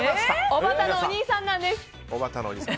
おばたのお兄さんなんです。